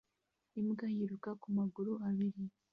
imbwa yiruka ku maguru abiri